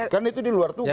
kan itu di luar tugas